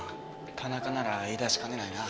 田中なら言い出しかねないな。